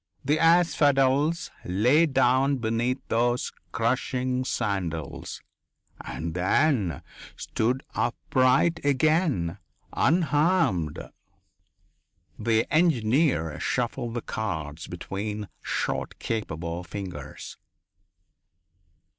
The asphodels lay down beneath those crushing sandals, and then stood upright again, unharmed." The engineer shuffled the cards between short, capable fingers.